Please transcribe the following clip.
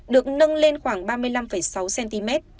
được nâng lên khoảng ba mươi năm sáu cm